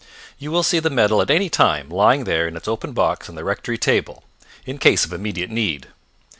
You will see the medal at any time lying there in its open box on the rectory table, in case of immediate need.